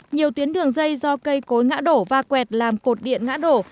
nhiều tuyến đường dây do cây cối ngã đổ va quẹt làm cột điện ngã đổ